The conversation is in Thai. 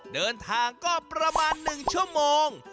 เดินทางก็ประมาณ๑ชั่วโมง